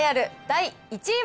第１位。